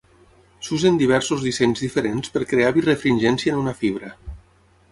S'usen diversos dissenys diferents per crear birefringència en una fibra.